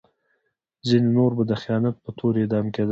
ځینې نور به د خیانت په تور اعدام کېدل.